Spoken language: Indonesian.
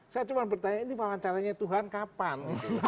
saya cuma bertanya ini wawancaranya tuhan kapan